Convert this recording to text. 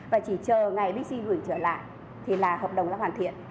và chỉ chờ ngày bixi gửi trở lại thì là hợp đồng đã hoàn thiện